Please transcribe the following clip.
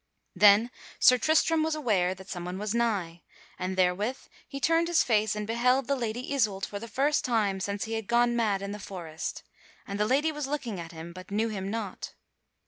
Then Sir Tristram was aware that someone was nigh; and therewith he turned his face and beheld the Lady Isoult for the first time since he had gone mad in the forest; and the lady was looking at him, but knew him not.